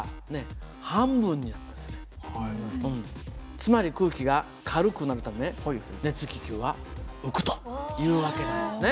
つまり空気が軽くなるため熱気球は浮くという訳なんですね。